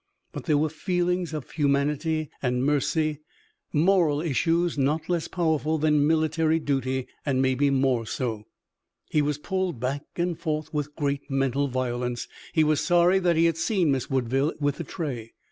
But there were feelings of humanity and mercy, moral issues not less powerful than military duty, and maybe more so. He was pulled back and forth with great mental violence. He was sorry that he had seen Miss Woodville with the tray.